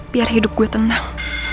biar hidup gue tenang